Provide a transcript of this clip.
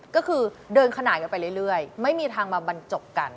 ก็คือเดินขนานกันไปเรื่อยไม่มีทางมาบรรจบกัน